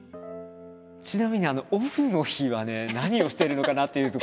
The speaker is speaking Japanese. ちなみにオフの日はね何をしてるのかなっていうところが気になるんですよ。